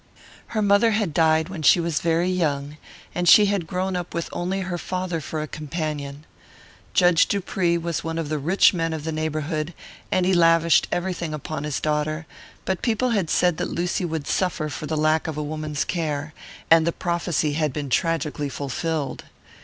Her mother had died when she was very young, and she had grown up with only her father for a companion. Judge Dupree was one of the rich men of the neighbourhood, and he lavished everything upon his daughter; but people had said that Lucy would suffer for the lack of a woman's care, and the prophecy had been tragically fulfilled.